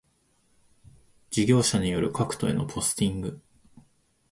事業者による各戸へのポスティング